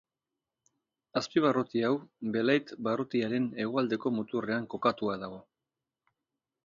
Azpibarruti hau, Belait barrutiaren hegoaldeko muturrean kokatua dago.